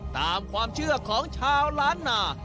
ตามความเชื่อของชาวล้านนา